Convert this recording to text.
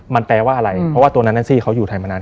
มันแปลว่าอะไรเพราะว่าตัวนั้นแนนซี่เขาอยู่ไทยมานาน